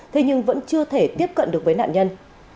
thế nhưng vẫn chưa thể tiếp cận được với nạn nhân